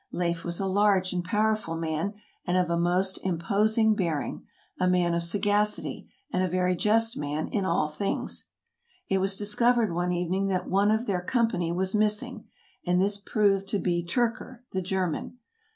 Leif was a large and powerful man, and of a most imposing bearing — a man of sagacity, and a very just man in all things. It was discovered one evening that one of their company was missing; and this proved to be Tyrker, the German.